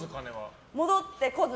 戻ってこず？